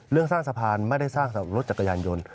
เรื่องสร้างสะพานไม่ได้สร้างสำหรับรถจักรยานยนต์